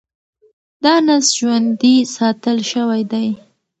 دا نسج ژوندي ساتل شوی دی.